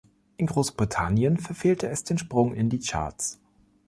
In Großbritannien verfehlte es den Sprung in die Charts.